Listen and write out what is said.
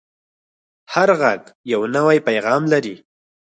هر غږ یو نوی پیغام لري